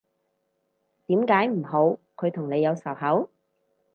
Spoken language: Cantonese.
點解唔好，佢同你有仇口？